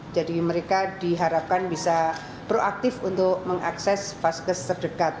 jadi mereka diharapkan bisa proaktif untuk mengakses vaskes terdekat